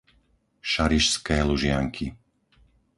Šarišské Lužianky